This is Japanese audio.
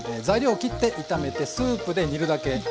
材料を切って炒めてスープで煮るだけ。